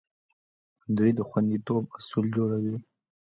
دوی د خوندیتوب اصول جوړوي.